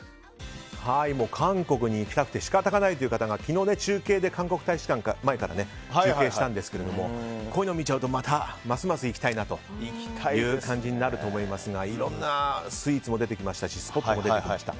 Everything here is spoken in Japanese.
韓国に行きたくて仕方がないという方が昨日、韓国大使館前から中継したんですけどこういうのを見ちゃうとまたますます行きたいなという感じになると思いますがいろんなスイーツも出てきましたしスポットも出てきました。